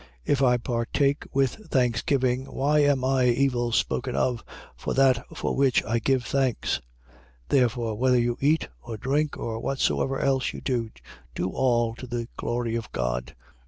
10:30. If I partake with thanksgiving, why am I evil spoken of for that for which I give thanks? 10:31. Therefore, whether you eat or drink, or whatsoever else you do, do all to the glory of God.